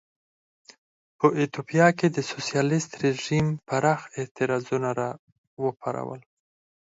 په ایتوپیا کې د سوسیالېست رژیم پراخ اعتراضونه را وپارول.